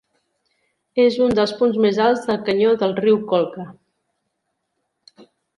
És un dels punts més alts de canyó del riu Colca.